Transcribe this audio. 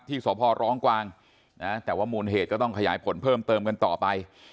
ที่สพร้องกวางนะแต่ว่ามูลเหตุก็ต้องขยายผลเพิ่มเติมกันต่อไป